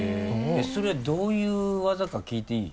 それはどういう技か聞いていい？